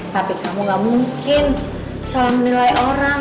tapi kamu gak mungkin salah menilai orang